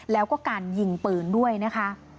แล้วก็การยิงปืนด้วยนะคะ